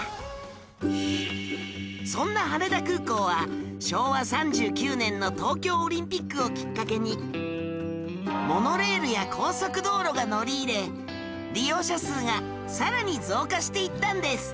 そんな羽田空港は昭和３９年の東京オリンピックをきっかけにモノレールや高速道路が乗り入れ利用者数がさらに増加していったんです